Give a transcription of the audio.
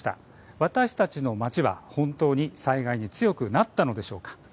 私たちの街は本当に災害に強くなったのでしょうか。